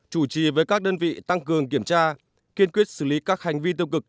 chủ trì với các đơn vị tăng cường kiểm tra kiên quyết xử lý các hành vi tiêu cực